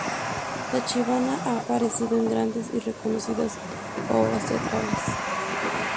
Tachibana ha aparecido en grandes y reconocidas obras teatrales.